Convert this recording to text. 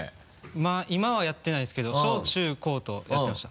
まぁ今はやってないですけど小中高とやってました。